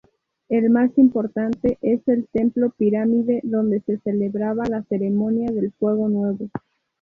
El más importante es el templo-pirámide donde se celebraba la Ceremonia del Fuego Nuevo.